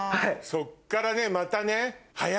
そっからねまたね。